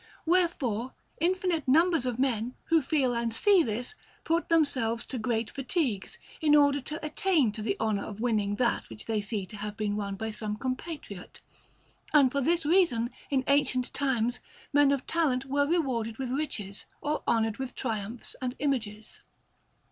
Wherefore infinite numbers of men, who feel and see this, put themselves to great fatigues, in order to attain to the honour of winning that which they see to have been won by some compatriot; and for this reason in ancient times men of talent were rewarded with riches, or honoured with triumphs and images.